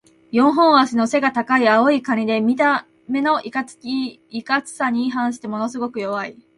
四本脚の背が高い青いカニで、見た目のいかつさに反してものすごく弱い。